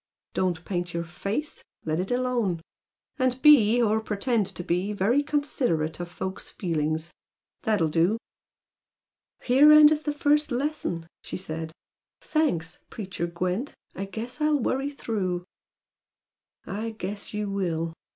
Don't paint your face, let it alone. And be, or pretend to be, very considerate of folks' feelings. That'll do!" "Here endeth the first lesson!" she said. "Thanks, preacher Gwent! I guess I'll worry through!" "I guess you will!"